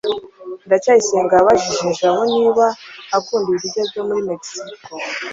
ndacyayisenga yabajije jabo niba akunda ibiryo byo muri mexico